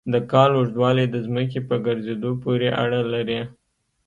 د کال اوږدوالی د ځمکې په ګرځېدو پورې اړه لري.